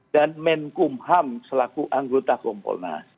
dan menkum ham selaku anggota kompolnas